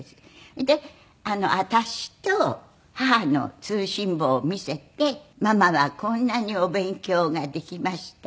で私と母の通信簿を見せてママはこんなにお勉強ができました。